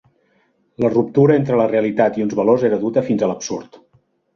La ruptura entre la realitat i uns valors era duta fins a l'absurd.